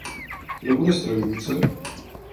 Kdo bude strojvůdce?